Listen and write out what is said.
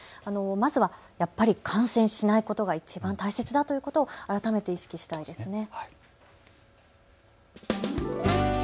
まずはやっぱり感染しないことがいちばん大切だということを改めて意識したいですね。